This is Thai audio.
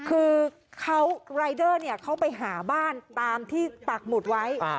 คือรายเดอร์เขาไปหาบ้านตามที่ปักหมุดไว้